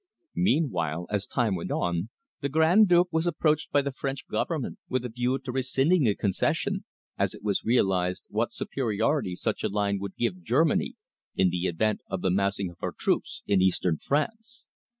Meanwhile, as time went on, the Grand Duke was approached by the French Government with a view to rescinding the concession, as it was realised what superiority such a line would give Germany in the event of the massing of her troops in Eastern France.